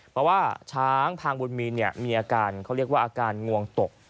เพราะว่าช้างพางบุญมีนมีอาการเขาเรียกว่าอาการงวงตก